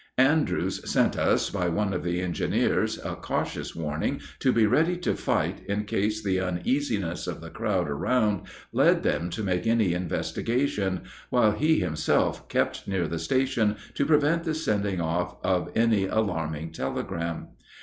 Andrews sent us, by one of the engineers, a cautious warning to be ready to fight in case the uneasiness of the crowd around led them to make any investigation, while he himself kept near the station to prevent the sending off of any alarming telegram.